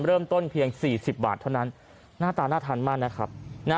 เริ่มต้นเพียง๔๐บาทเท่านั้นหน้าตาน่าทานมากนะครับ